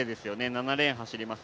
７レーン走ります